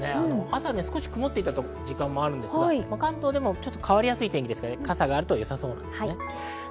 朝少し曇っていた時間もあるんですけど、関東も変わりやすい天気なので、傘があるといいですね。